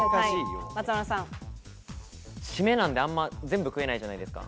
シメなんで全部食えないじゃないですか。